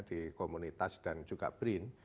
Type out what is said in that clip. di komunitas dan juga brin